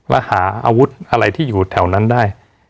และหาอาวุธอะไรที่อยู่แถวนั้นได้